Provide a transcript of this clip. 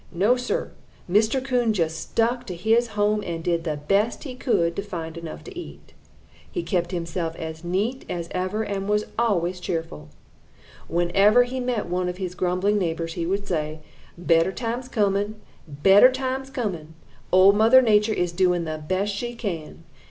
No, Sir, Mr. Coon just stuck to his home and did the best he could to find enough to eat. He kept himself as neat as ever and was always cheerful. Whenever he met one of his grumbling neighbors, he would say: "'Better times coming! Better times coming! Old Mother Nature is doing the best she can.